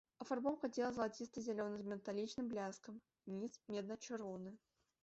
Афарбоўка цела залаціста-зялёная з металічным бляскам, ніз медна-чырвоны.